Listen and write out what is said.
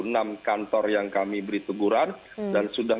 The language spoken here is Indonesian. dan sudah dua puluh delapan unit kegiatan yang kami beri teguran dan denda